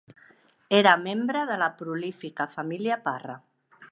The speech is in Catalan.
Era membre de la prolífica família Parra.